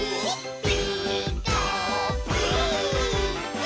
「ピーカーブ！」